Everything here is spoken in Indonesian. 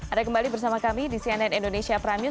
ada kembali bersama kami di cnn indonesia prime news